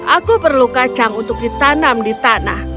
aku perlu kacang untuk ditanam di tanah